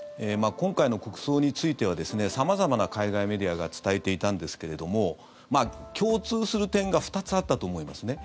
今回の国葬については様々な海外メディアが伝えていたんですけれども共通する点が２つあったと思いますね。